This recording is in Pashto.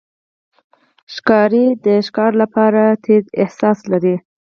ښکاري د ښکار لپاره تیز احساس لري.